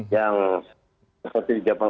yang seperti di zaman